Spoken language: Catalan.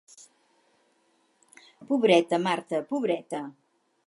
Pobreta, Marta, pobreta.